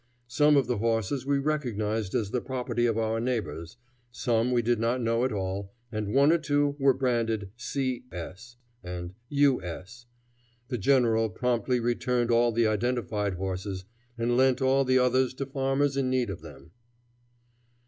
Some of the horses we recognized as the property of our neighbors, some we did not know at all, and one or two were branded "C. S." and "U. S." The general promptly returned all the identified horses, and lent all the others to farmers in need of them.